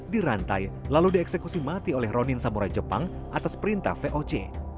dirantai lalu dieksekusi mati oleh ronin samurai jepang atas perintah voc